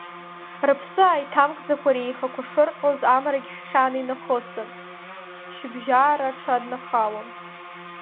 Рыԥсы ааиҭамкӡакәа, реихақәа шырҟьоз, амрагьы жәхьан инахысын, шьыбжьаара аҽаднахалон.